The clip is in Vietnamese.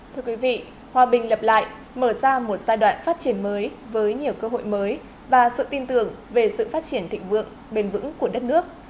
thưa quý vị hòa bình lập lại mở ra một giai đoạn phát triển mới với nhiều cơ hội mới và sự tin tưởng về sự phát triển thịnh vượng bền vững của đất nước